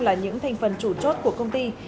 là những thành phần chủ chốt của công ty